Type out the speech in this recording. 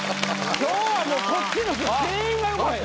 今日はもうこっちの人全員がよかったよ。